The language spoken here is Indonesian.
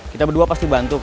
kita berdua pasti bantu